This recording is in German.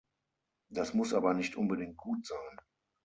Das muss aber nicht unbedingt gut sein.